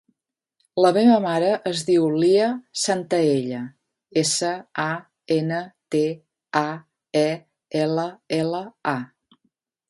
La meva mare es diu Lea Santaella: essa, a, ena, te, a, e, ela, ela, a.